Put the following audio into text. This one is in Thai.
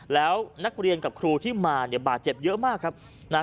แล้วนักเรียนกับครูที่มาเนี่ยบาดเจ็บเยอะมากครับ